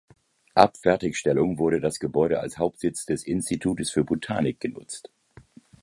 Ab Fertigstellung wurde das Gebäude als Hauptsitz des Institutes für Botanik genutzt.